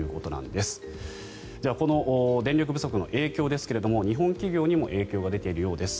ではこの電力不足の影響ですが日本企業にも影響が出ているようです。